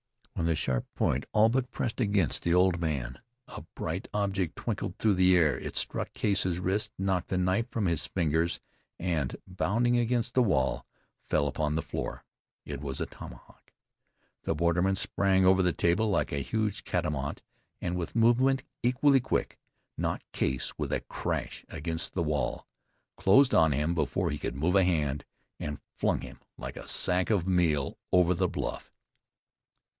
When the sharp point all but pressed against the old man, a bright object twinkled through the air. It struck Case's wrist, knocked the knife from his fingers, and, bounding against the wall, fell upon the floor. It was a tomahawk. The borderman sprang over the table like a huge catamount, and with movement equally quick, knocked Case with a crash against the wall; closed on him before he could move a hand, and flung him like a sack of meal over the bluff.